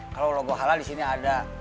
kalau logo halal disini ada